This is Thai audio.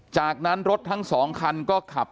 จากนั้นรถทั้ง๒คันก็ขับ